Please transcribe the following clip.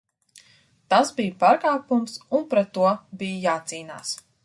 Tas bija pārkāpums un pret to bija jācīnās.